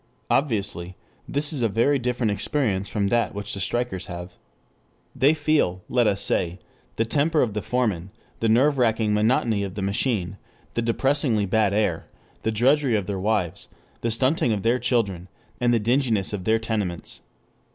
Obviously this is a very different experience from that which the strikers have. They feel, let us say, the temper of the foreman, the nerve racking monotony of the machine, the depressingly bad air, the drudgery of their wives, the stunting of their children, the dinginess of their tenements.